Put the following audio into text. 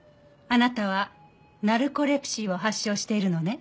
あなたはナルコレプシーを発症しているのね？